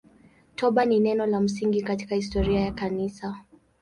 Toba ni neno la msingi katika historia ya Kanisa.